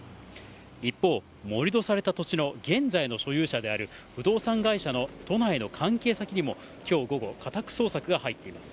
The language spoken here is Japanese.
一方、盛り土された土地の現在の所有者である不動産会社の都内の関係先にも、きょう午後、家宅捜索が入っています。